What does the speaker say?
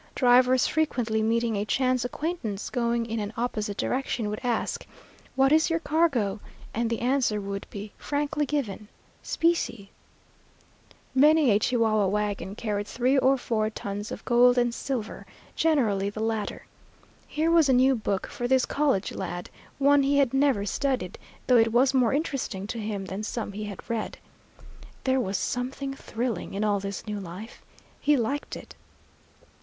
Drivers frequently meeting a chance acquaintance going in an opposite direction would ask, "What is your cargo?" and the answer would be frankly given, "Specie." Many a Chihuahua wagon carried three or four tons of gold and silver, generally the latter. Here was a new book for this college lad, one he had never studied, though it was more interesting to him than some he had read. There was something thrilling in all this new life. He liked it.